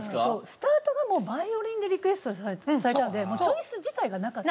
スタートがヴァイオリンでリクエストされたのでチョイス自体がなかった。